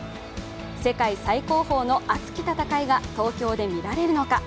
世界最高峰の熱き戦いが東京で見られるのか。